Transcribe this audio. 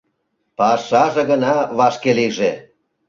Пашаже гына вашке лийже.